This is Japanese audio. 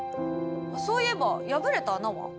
そういえば破れた穴は？